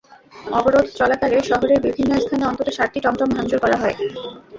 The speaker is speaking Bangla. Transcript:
অবরোধ চলাকালে শহরের বিভিন্ন স্থানে অন্তত সাতটি টমটম ভাঙচুর করা হয়।